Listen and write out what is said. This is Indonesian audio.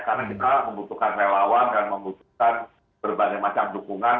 karena kita membutuhkan relawan dan membutuhkan berbagai macam dukungan